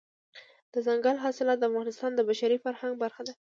دځنګل حاصلات د افغانستان د بشري فرهنګ برخه ده.